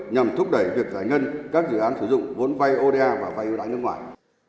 nhằm thúc đẩy việc giải ngân các dự án sử dụng vốn vay oda và vay ưu đãi nước ngoài